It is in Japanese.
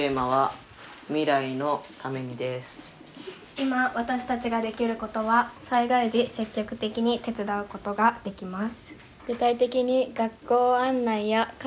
今私たちができる事は災害時積極的に手伝う事ができます。